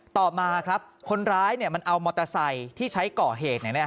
ต่อมาครับคนร้ายมันเอามอเตอร์ไซค์ที่ใช้ก่อเหตุ